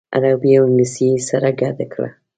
عربي او انګلیسي یې سره ګډه کړه.